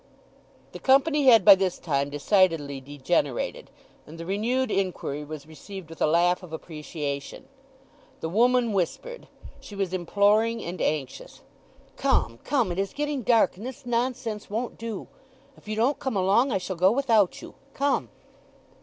The company had by this time decidedly degenerated, and the renewed inquiry was received with a laugh of appreciation. The woman whispered; she was imploring and anxious: "Come, come, it is getting dark, and this nonsense won't do. If you don't come along, I shall go without you. Come!"